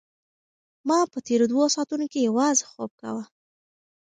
ما په تېرو دوو ساعتونو کې یوازې خوب کاوه.